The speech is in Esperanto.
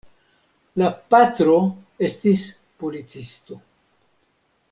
La patro estis policisto.